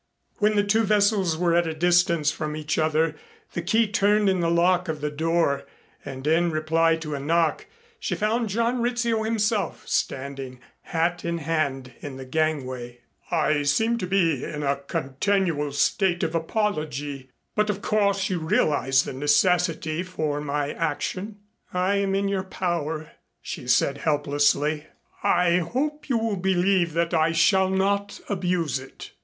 When the two vessels were at a distance from each other the key turned in the lock of the door and in reply to a knock, she found John Rizzio himself, standing hat in hand in the gangway. "I seem to be in a continual state of apology. But of course you realize the necessity for my action." "I am in your power," she said helplessly. "I hope you will believe that I shall not abuse it."